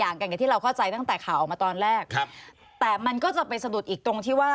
อย่างที่เราเข้าใจตั้งแต่ข่าวออกมาตอนแรกครับแต่มันก็จะไปสะดุดอีกตรงที่ว่า